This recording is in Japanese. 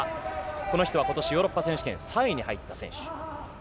この人はことし、ヨーロッパ選手権３位に入った選手。